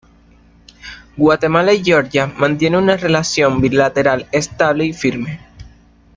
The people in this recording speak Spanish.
Guatemala y Georgia mantienen una relación bilateral estable y firme.